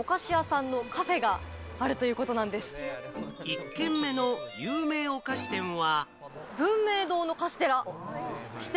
１軒目の有名お菓子店は。